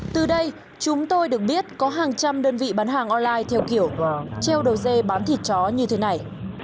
từ đây chúng tôi được biết có hàng trăm đơn vị bán hàng online theo kiểu treo đầu dây bán thịt chó như thế này